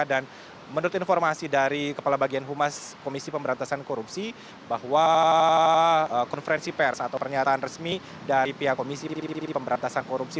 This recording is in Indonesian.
dan menurut informasi dari kepala bagian humas komisi pemberantasan korupsi bahwa konferensi pers atau pernyataan resmi dari pihak komisi pemberantasan korupsi